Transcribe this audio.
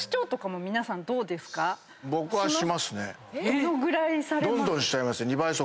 どのぐらいされます？